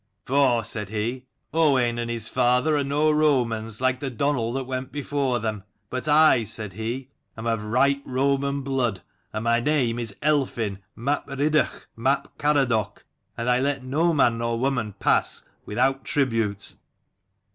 "For," said he, "Owain and his father are no Romans, like the Donal that went before them. But I," said he, "am of right Roman blood, and my name is Elphin map Rhydderch map Caradoc : and I let no man nor woman pass without tribute."